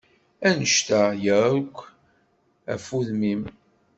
Annect-a yark, af udem-im!